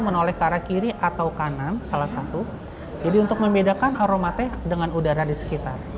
untuk mencuri maka kita harus menolak arah kiri atau kanan jadi untuk membedakan aroma teh dengan udara di sekitar